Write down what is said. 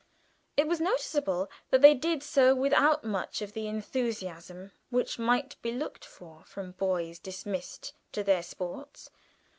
It was noticeable that they did so without much of the enthusiasm which might be looked for from boys dismissed to their sports.